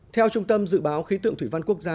theo trung tâm dự báo khí tượng thủy văn quốc gia